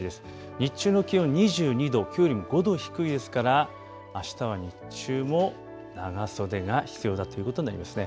日中の気温２２度、きょうよりも５度低いですからあしたは日中も長袖が必要だということなりますね。